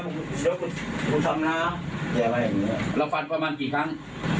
เดี๋ยวคุณคุณทำน้ำแล้วฟันประมาณกี่ครั้ง